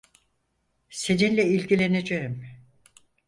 Seninle ilgileneceğim.